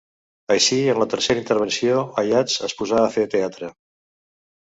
Així, en la tercera intervenció, Ayats es posà a fer teatre.